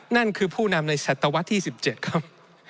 นั่นคือผู้นำในศตวรรษที่๑๗ครับ